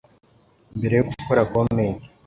Mbere yo gukora comments,